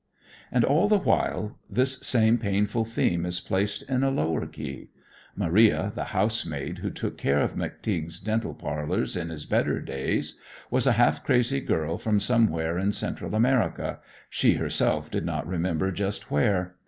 And all the while this same painful theme is placed in a lower key. Maria, the housemaid who took care of "McTeague's" dental parlors in his better days, was a half crazy girl from somewhere in Central America, she herself did not remember just where.